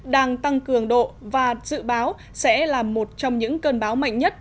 đang tăng cường độ và dự báo sẽ là một trong những cơn bão mạnh nhất